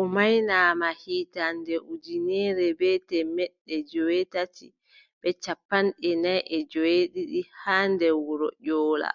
O maynaama hitaande ujineere bee temeɗɗe joweetati bee cappanɗe nay e joweeɗiɗi haa nder wuro Ƴoola.